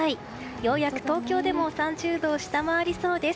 ようやく東京でも３０度を下回りそうです。